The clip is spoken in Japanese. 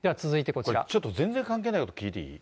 ちょっと全然関係ないこと聞いていい？